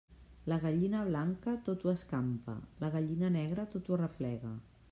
La gallina blanca, tot ho escampa; la gallina negra, tot ho arreplega.